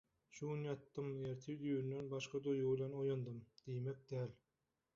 «Şu gün ýatdym, ertir düýbünden başga duýgy bilen oýandym» diýmek däl.